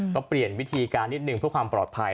ก็เปลี่ยนวิธีการนิดนึงเพื่อความปลอดภัย